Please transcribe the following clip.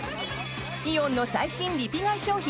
イオンの最新リピ買い商品